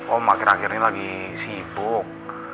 oh akhir akhir ini lagi sibuk